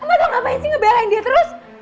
emak tau ngapain sih ngebelain dia terus